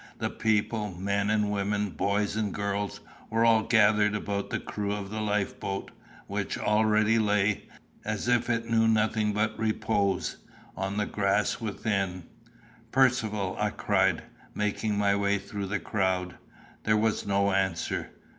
The people, men and women, boys and girls, were all gathered about the crew of the life boat, which already lay, as if it knew of nothing but repose, on the grass within. "Percivale!" I cried, making my way through the crowd. There was no answer.